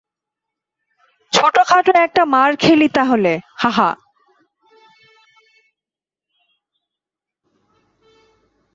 ছোটখাটো একটা মার খেলি তাহলে, হাহ!